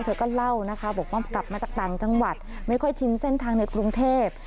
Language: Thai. เธอก็เล่านะคะบอกว่ากลับมาจากต่างจังหวัดไม่ค่อยชินเส้นทางในกรุงเทพ